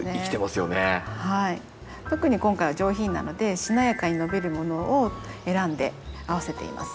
特に今回は「上品」なのでしなやかに伸びるものを選んで合わせています。